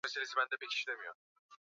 Tulipika wali na nyama.